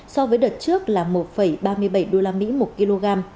so với đợt trước là một ba mươi bảy usd một kg